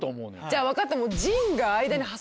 じゃあ分かったもう。